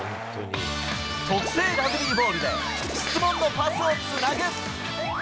特製ラグビーボールで質問のパスをつなぐ。